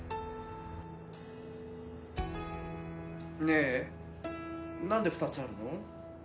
ねえ何で２つあるの？